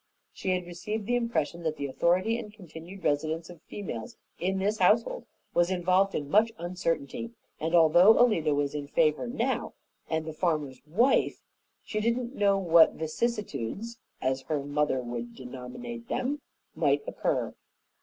She had received the impression that the authority and continued residence of females in this household was involved in much uncertainty, and although Alida was in favor now and the farmer's wife, she didn't know what "vicissitudes" (as her mother would denominate them) might occur.